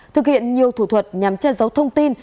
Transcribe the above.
thực hiện nhiều thủ thuật nhằm che giấu thông tin